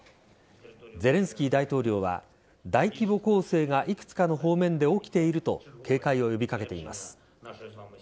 ゼレンスキー大統領は大規模攻勢がいくつかの方面で起きていると警戒を呼び掛けています。